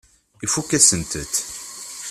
Ifakk-asent-t.